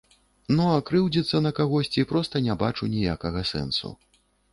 Ну а крыўдзіцца на кагосьці проста не бачу ніякага сэнсу.